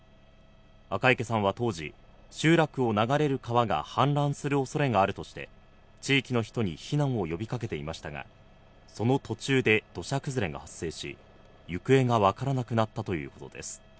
赤池さんは当時、集落を流れる川が氾濫する恐れがあるとして、地域の人に避難を呼び掛けていましたが、その途中で土砂崩れが発生し、行方がわからなくなったということです。